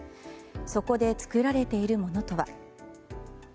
そこで作られているものとは。